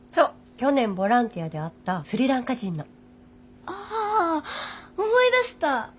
去年ボランティアで会ったスリランカ人の。ああ思い出した。